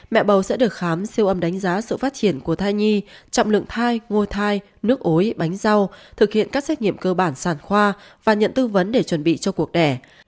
mẹ bầu sẽ được khám siêu âm đánh giá sự phát triển của thai nhi trọng lượng thai ngôi thai nước ối bánh rau thực hiện các xét nghiệm cơ bản sản khoa và nhận tư vấn để chuẩn bị cho cuộc đẻ